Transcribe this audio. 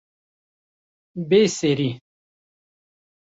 Bê Serî